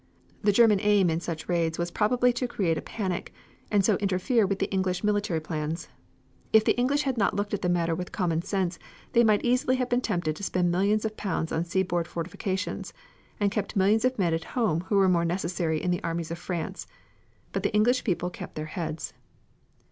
The German aim in such raids was probably to create a panic, and so interfere with the English military plans. If the English had not looked at the matter with common sense they might easily have been tempted to spend millions of pounds on seaboard fortifications, and keep millions of men at home who were more necessary in the armies in France. But the English people kept their heads.